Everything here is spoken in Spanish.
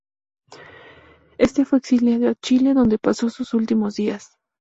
Este fue exiliado a Chile, donde pasó sus últimos días.